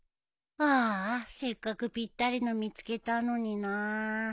ああせっかくぴったりの見つけたのになあ。